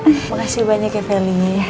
makasih banyak ya feli ya